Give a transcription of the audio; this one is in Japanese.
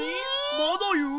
まだいう？